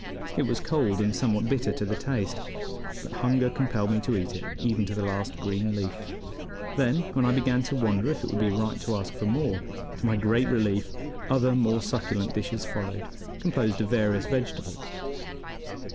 It was cold and somewhat bitter to the taste, but hunger compelled me to eat it even to the last green leaf; then, when I began to wonder if it would be right to ask for more, to my great relief other more succulent dishes followed, composed of various vegetables.